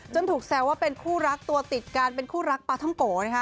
ถูกแซวว่าเป็นคู่รักตัวติดกันเป็นคู่รักปลาท่องโกนะคะ